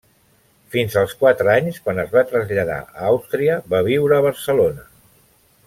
Fins als quatre anys, quan es va traslladar a Àustria, va viure a Barcelona.